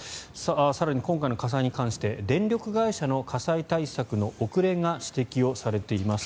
更に今回の火災に関して電力会社の火災対策の遅れが指摘をされています。